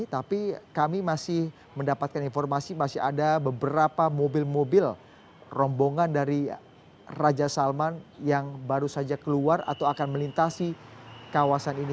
tapi kami masih mendapatkan informasi masih ada beberapa mobil mobil rombongan dari raja salman yang baru saja keluar atau akan melintasi kawasan ini